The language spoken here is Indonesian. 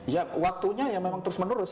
ya waktunya ya memang terus menerus